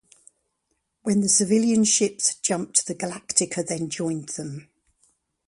When the civilian ships had jumped, the "Galactica" then joined them.